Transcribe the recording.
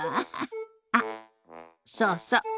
あっそうそう。